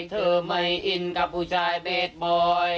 เธอไม่อินกับผู้ชายเบสบอย